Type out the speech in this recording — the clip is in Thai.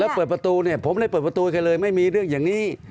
แล้วเปิดประตูเนี่ยผมได้เปิดประตูแกเลยไม่มีเรื่องอย่างนี้